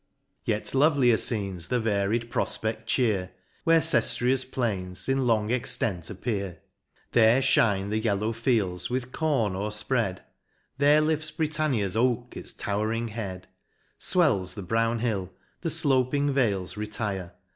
Yet lovelier fcenes the varied profpedl cheer, Where Cestria's plains in long extent appear, There fhine the yellow fields with corn o'erfpread ; There lifts Britannia's oak its tow'ring head : Swells the brown hill, the floping vales retire.